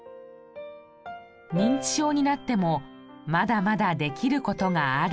認知症になってもまだまだできる事がある。